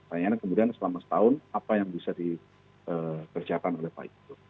tanyaannya kemudian selama setahun apa yang bisa dikerjakan oleh pak yudho